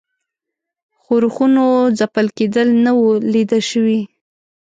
ښورښونو ځپل کېدل نه وه لیده شوي.